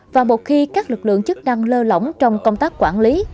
và một khi các lực lượng chức năng lơ lỏng trong công tác quản lý